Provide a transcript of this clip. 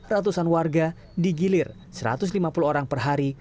ratusan warga digilir satu ratus lima puluh orang per hari